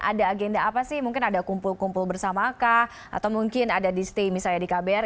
ada agenda apa sih mungkin ada kumpul kumpul bersama kah atau mungkin ada di stay misalnya di kbr